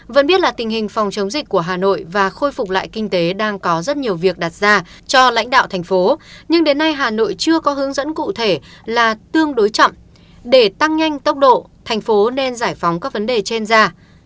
vẫn biết là tình hình phòng chống dịch của hà nội và khôi phục lại kinh tế đang có rất nhiều việc đặt ra cho lãnh đạo thành phố nhưng đến nay hà nội chưa có hướng dẫn cụ thể là tương đối chậm để tăng nhanh tốc độ thành phố nên giải phóng các vấn đề trên ra